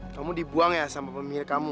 kamu dibuang ya sama pemilik kamu